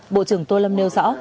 bộ trưởng tô lâm nêu rõ